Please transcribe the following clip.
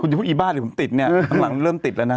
จะพูดอีบ้าเดี๋ยวผมติดเนี่ยข้างหลังเริ่มติดแล้วนะ